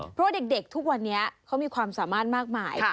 เพราะว่าเด็กทุกวันนี้เขามีความสามารถมากมาย